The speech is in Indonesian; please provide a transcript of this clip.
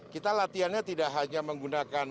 kita latihannya tidak hanya menggunakan